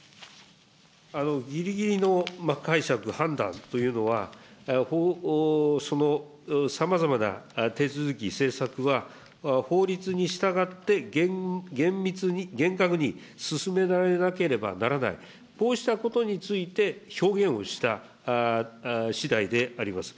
ぎりぎりの解釈、判断というのは、そのさまざまな手続き、政策は、法律に従って厳密に、厳格に進められなければならない、こうしたことについて、表現をしたしだいであります。